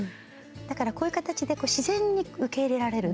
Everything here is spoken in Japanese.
だからこういう形で自然に受け入れられる。